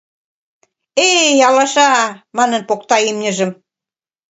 — Э-эй, алаша! — манын покта имньыжым.